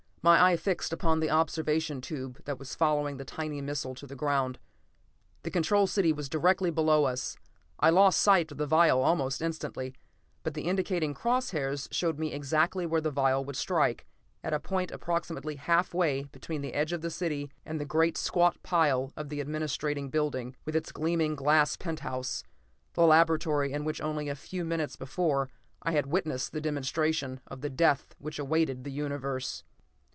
My eye fixed upon the observation tube that was following the tiny missile to the ground. The Control City was directly below us. I lost sight of the vial almost instantly, but the indicating cross hairs showed me exactly where the vial would strike; at a point approximately half way between the edge of the city and the great squat pile of the administrating building, with its gleaming glass penthouse the laboratory in which, only a few minutes before, I had witnessed the demonstration of the death which awaited the Universe.